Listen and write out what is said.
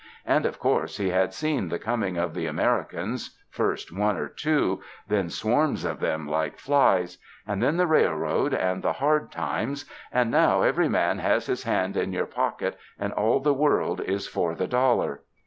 And, of course, he had seen the coming of the Americans, first one or two, then swarms of them like flies; and then the rail road and the hard times, and now every man has his hand in your pocket and all the world is for the dollar.